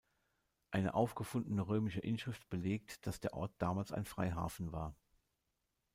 Eine aufgefundene römische Inschrift belegt, dass der Ort damals ein Freihafen war.